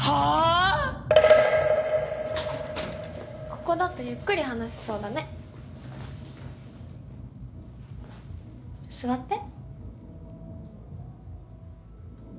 ここだとゆっくり話せそうだね座って？